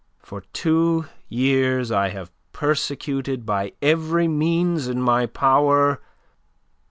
For two years I have persecuted by every means in my power...